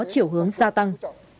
chiều hướng gia tăng